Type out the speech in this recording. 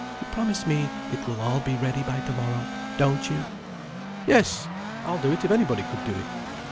"You promise me it will all be ready by tomorrow, don't you?" "Yes, I'll do it if anybody could do it."